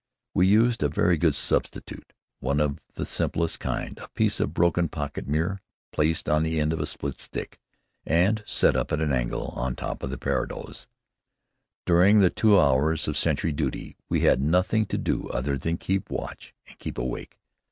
We used a very good substitute, one of the simplest kind, a piece of broken pocket mirror placed on the end of a split stick, and set at an angle on top of the parados. During the two hours of sentry duty we had nothing to do other than to keep watch and keep awake.